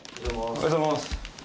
おはようございます。